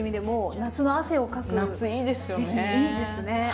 夏いいですよね。